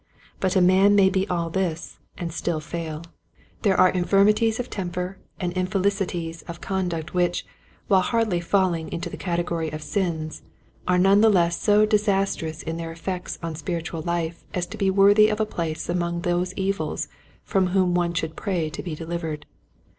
But a man may be all this and still fail. Wherefore All This. 7 There are infirmities of temper and infeli cities of conduct which, while hardly fall ing into the category of sins, are none the less so disastrous in their effects on spirit ual life as to be worthy of a place among those evils from which one should pray to be delivered.